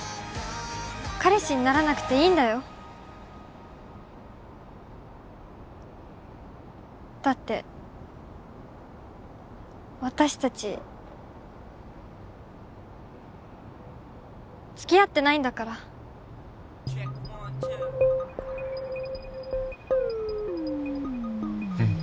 彼氏にならなくていいんだよだって私達付き合ってないんだからうん